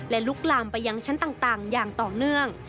และลุกลามไปยังชั้นต่างอย่างต่อเนื่อง